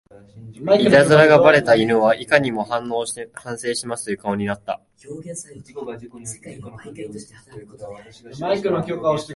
イタズラがバレた犬はいかにも反省してますという顔になった